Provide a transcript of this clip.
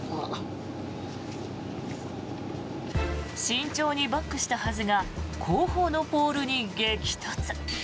慎重にバックしたはずが後方のポールに激突。